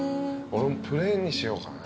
俺プレーンにしようかな。